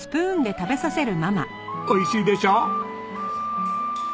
おいしいでしょ？